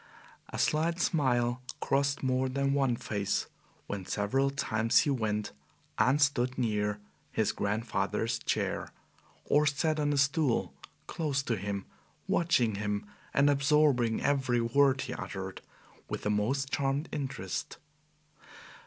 A slight smile crossed more than one face when several times he went and stood near his grandfather's chair, or sat on a stool close to him, watching him and absorbing every word he uttered with the most charmed interest.